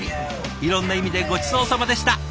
いろんな意味でごちそうさまでした。